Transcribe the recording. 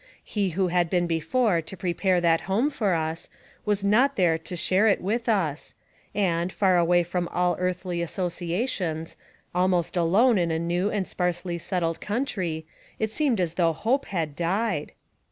He who had been before to prepare that home for us, was not there to share it with us, and, far away from all early asso ciations, almost alone in a new and sparsely settled country, it seemed as though hope had died.